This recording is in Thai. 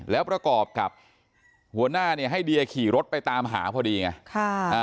แล้วประกอบกับหัวหน้าเนี่ยให้เดียขี่รถไปตามหาพอดีไง